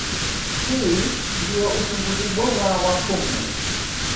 Hii ndio uchunguzi bora wa pumu.